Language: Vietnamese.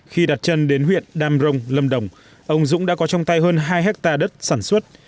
khi đặt chân đến huyện đam rồng lâm đồng ông dũng đã có trong tay hơn hai hectare đất sản xuất